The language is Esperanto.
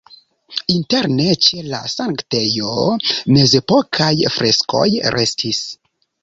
Interne ĉe la sanktejo mezepokaj freskoj restis.